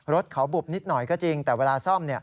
รถเขาบุบนิดหน่อยก็จริงแต่เวลาซ่อม